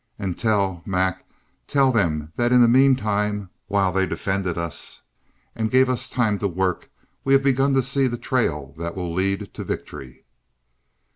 And tell Mac, tell them that in the meantime, while they defended us, and gave us time to work, we have begun to see the trail that will lead to victory."